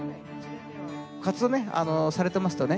活動ねされてますとね